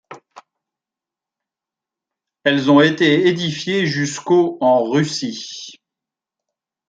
Elles ont été édifiées jusqu'au en Russie.